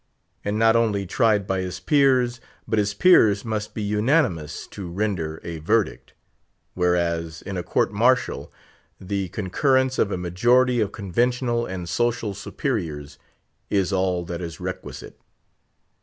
And not only tried by his peers, but his peers must be unanimous to render a verdict; whereas, in a court martial, the concurrence of a majority of conventional and social superiors is all that is requisite.